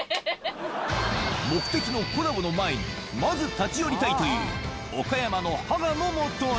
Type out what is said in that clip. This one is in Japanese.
目的のコラボの前に、まず立ち寄りたいという、岡山の母のもとへ。